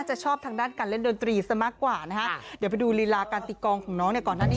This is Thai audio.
ชอบทางด้านการเล่นดนตรีซะมากกว่านะฮะเดี๋ยวไปดูลีลาการติกองของน้องเนี่ยก่อนหน้านี้